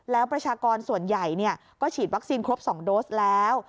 แล้วประชากรส่วนใหญ่ก็ฉีดวัคซีนครบ๒โดสแล้ว